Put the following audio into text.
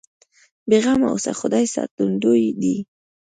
بې غمه اوسه خدای ساتندوی دی.